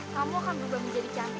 kamu akan berubah menjadi candi